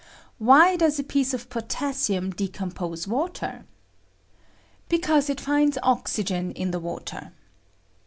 Why does a piece of potassium decompose water? Because it finds oxygen in the water.